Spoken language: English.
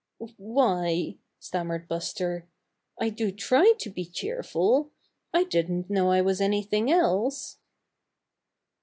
"Why," stammered Buster, "I do try to be cheerful. I didn't know I was anything else."